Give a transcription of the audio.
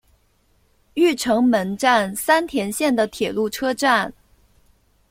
御成门站三田线的铁路车站。